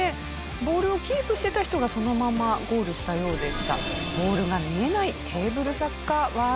ボールをキープしていた人がそのままゴールしたようでした。